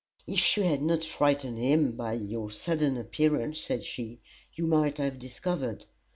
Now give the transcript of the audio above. "If you had not frightened him by your sudden appearance," said she, "you might have discovered.